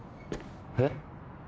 えっ？